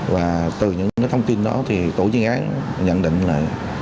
và từ những thông tin đó thì tổ chuyên án nhận định là